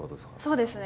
そうですね。